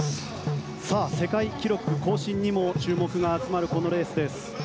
世界記録更新にも注目が集まるこのレースです。